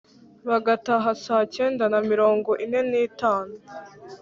bagataha saa kenda na mirongo ine n’itanu.